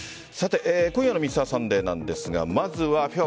今夜の「Ｍｒ．サンデー」なんですがまずはＦＩＦＡ